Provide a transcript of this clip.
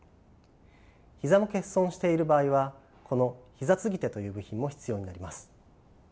膝も欠損している場合はこの膝継手という部品も必要になります。